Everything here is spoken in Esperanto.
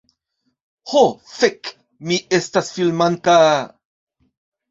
Ho, fek' mi estas filmanta...